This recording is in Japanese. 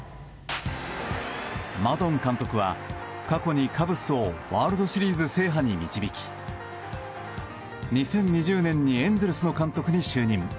マドン監督は過去にカブスをワールドシリーズ制覇に導き２０２０年にエンゼルスの監督に就任。